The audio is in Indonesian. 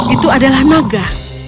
itu adalah noga